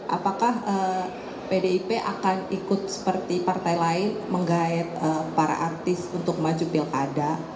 apakah pdip akan ikut seperti partai lain menggait para artis untuk maju pilkada